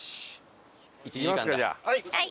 はい！